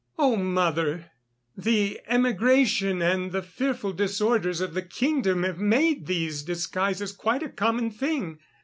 "Oh! mother, the emigration and the fearful disorders of the kingdom have made these disguises quite a common thing.